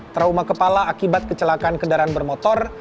trauma kepala akibat kecelakaan kendaraan bermotor